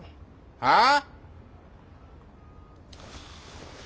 はあ？